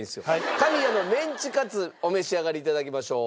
香味屋のメンチカツお召し上がり頂きましょう。